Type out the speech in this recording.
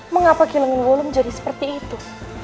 mengapa kilengan wulum jadi seperti itu